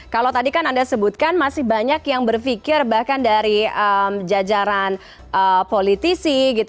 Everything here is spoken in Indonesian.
kalau tadi kan anda sebutkan masih banyak yang berpikir bahkan dari jajaran politisi gitu